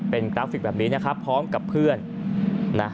เป็นกราฟิกแบบนี้นะครับพร้อมกับเพื่อนนะ